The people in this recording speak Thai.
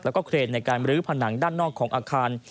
และเคลดในการลื้อผนังด้านนอกของอาคาร